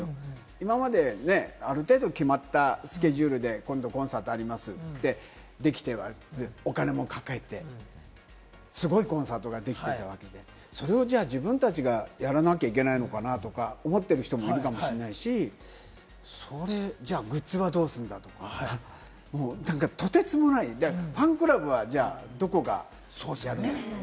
今まである程度、決まったスケジュールで、今度、コンサートありますって、できてたわけで、お金もかけてすごいコンサートをやってきてたわけで、それを自分たちがやらなきゃいけないのかな？とか思ってる人もいるかもしれないし、グッズはどうするんだとか、とてつもない、ファンクラブはどこがやるんですか？